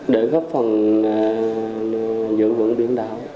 để góp phần dưỡng vững biển đảo